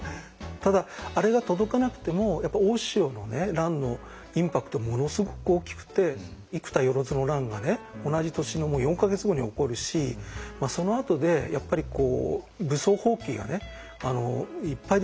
ただあれが届かなくてもやっぱ大塩の乱のインパクトものすごく大きくて生田万の乱がね同じ年の４か月後に起こるしそのあとでやっぱり武装蜂起がねいっぱい出てくるわけですよ。